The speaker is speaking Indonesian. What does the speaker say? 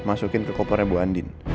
masukin ke kopernya bu andin